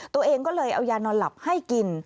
ตัวเองก็เลยเอายานอนหลับให้กิน